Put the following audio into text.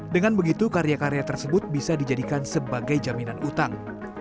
dengan begitu karya karya tersebut bisa dijadikan sebagai jaminan utang